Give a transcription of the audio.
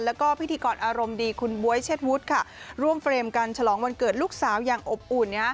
แล้วก็พิธีกรอารมณ์ดีคุณบ๊วยเชษวุฒิค่ะร่วมเฟรมกันฉลองวันเกิดลูกสาวอย่างอบอุ่น